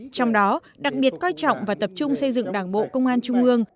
trong đó đặc biệt coi trọng và tập trung xây dựng đảng bộ công an trung ương